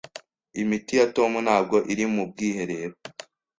Imiti ya Tom ntabwo iri mu bwiherero.